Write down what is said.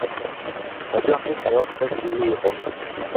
ოჯახის მეოთხე შვილი იყო.